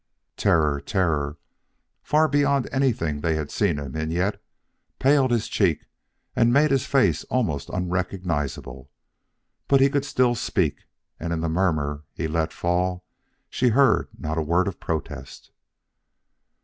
Terror! terror far beyond anything they had seen in him yet, paled his cheek and made his face almost unrecognizable; but he could still speak, and in the murmur he let fall she heard no word of protest.